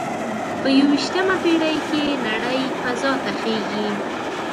په یوویشتمه پیړۍ کې نړۍ فضا ته خیږي